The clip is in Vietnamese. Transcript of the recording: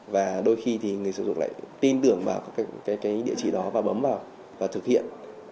và đôi khi người dùng lại tin tưởng vào địa chỉ đó và bấm vào và thực hiện